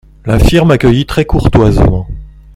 L'infirme accueillit très courtoisement.